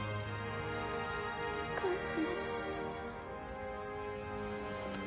お母様。